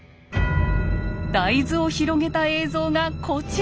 大図を広げた映像がこちら！